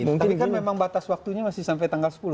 tapi kan memang batas waktunya masih sampai tanggal sepuluh